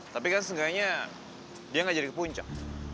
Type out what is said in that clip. tapi kan setidaknya dia gak jadi kepuncak